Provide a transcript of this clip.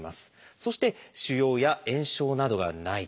そして腫瘍や炎症などがないと。